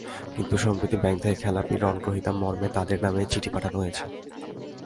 কিন্তু সম্প্রতি ব্যাংক থেকে খেলাপি ঋণগ্রহীতা মর্মে তাঁদের নামে চিঠি পাঠানো হয়েছে।